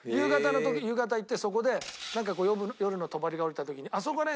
夕方行ってそこで夜のとばりが下りた時にあそこね